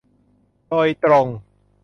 โดยตรง